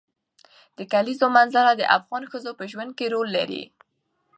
د کلیزو منظره د افغان ښځو په ژوند کې رول لري.